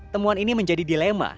temuan ini menjadi dilema